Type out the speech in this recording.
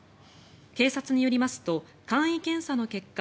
警察によりますと簡易検査の結果